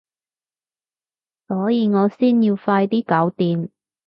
所以我先要快啲搞掂